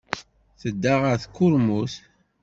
Tedda ɣer tkurmut.